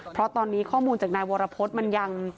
เพราะตอนนี้ข้อมูลจากนายวรพฤษมันยัง